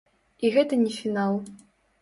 І гэта не фінал.